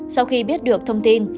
sau khi biết được thông tin